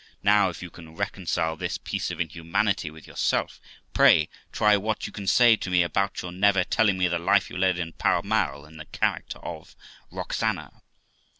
Now, if you can reconcile this piece of inhumanity with yourself, pray try what you can say to me about your never telling me the life you led in Pall Mall, in the character of Roxana?